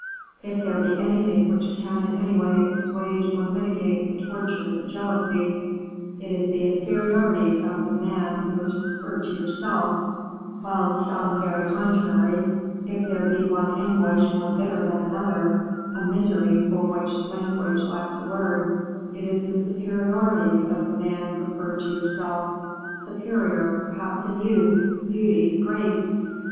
If there be anything which can in any way assuage or mitigate the tortures of jealousy, it is the inferiority of the man who is preferred to yourself; whilst, on the very contrary, if there be one anguish more bitter than another, a misery for which language lacks a word, it is the superiority of the man preferred to yourself, superior, perhaps, in youth, beauty, grace.